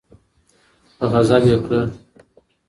په غضب یې کړه